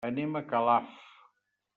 Anem a Calaf.